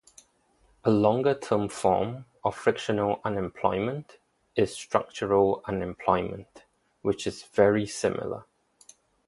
A longer term form of frictional unemployment is structural unemployment which is very similar.